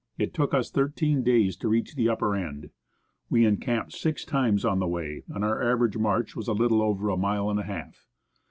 It took us thirteen days to reach the upper end. We encamped six times on the way, and our average march was a little over a mile and a half.